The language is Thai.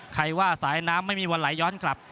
ใครว่าสายน้ำไม่มีวันไหลย้อนกลับ